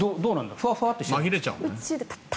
ふわふわって。